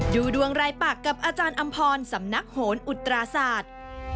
ดูดวงรายปากกับอาจารย์อำพรสำนักโหนอุตราศาสตร์